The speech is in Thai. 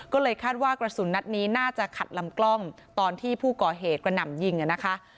ก็เลยคาดว่ากระสุนนัดนี้น่าจะขัดลำกล้องตอนที่ผู้ก่อเหตุกระหน่ำยิงนะคะ